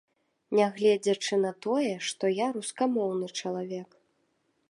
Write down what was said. Нягледзячы на тое, што я рускамоўны чалавек.